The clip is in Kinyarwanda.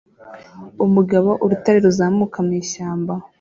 Umugabo urutare ruzamuka mwishyamba